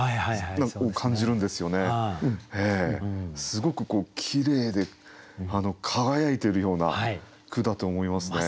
すごくきれいで輝いているような句だと思いますね。